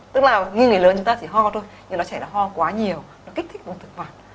tức là như người lớn chúng ta chỉ ho thôi nhưng nó trẻ nó ho quá nhiều nó kích thích bụng thực quản